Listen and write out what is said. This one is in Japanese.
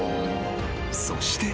［そして］